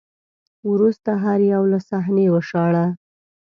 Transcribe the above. وروسته هر یو له صحنې وشاړه